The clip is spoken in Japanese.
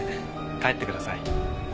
帰ってください。